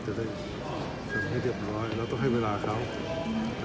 จะได้ทำให้เรียบร้อยและต้องให้เวลาเค้า